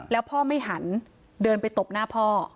แล้วพ่อไม่หันเดินไปตบหน้าพ่อ